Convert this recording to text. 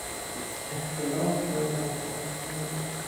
اختلاف را برطرف کردن